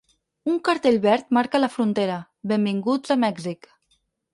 Un cartell verd marca la frontera: ‘Benvinguts a Mèxic.’